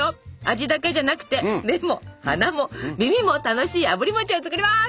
味だけじゃなくて目も鼻も耳も楽しいあぶり餅を作ります！